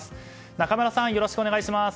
仲村さん、よろしくお願いします。